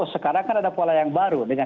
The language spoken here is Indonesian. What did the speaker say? sekarang kan ada pola yang baru dengan